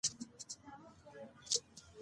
که ایرانیان مقاومت ونه کړي، نو ښار به ژر نیول شي.